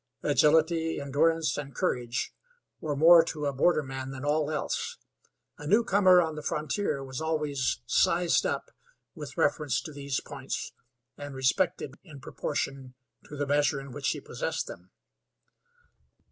Agility, endurance and courage were more to a borderman than all else; a new comer on the frontier was always "sized up" with reference to these "points," and respected in proportion to the measure in which he possessed them.